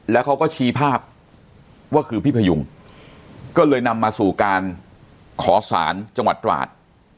แล้วเขาก็ชี้ภาพว่าคือพี่พยุงก็เลยนำมาสู่การขอสารจังหวัดตราด